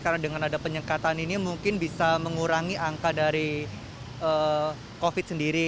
karena dengan ada penyekatan ini mungkin bisa mengurangi angka dari covid sendiri